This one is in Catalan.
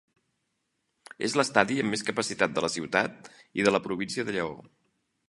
És l'estadi amb més capacitat de la ciutat i de la província de Lleó.